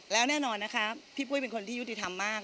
แล้วแน่นอนนะคะพี่ปุ้ยเป็นคนที่ยุติธรรมมาก